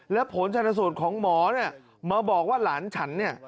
และผลชนสูตรของหมอเนี่ยมาบอกว่าหลานฉันเนี่ย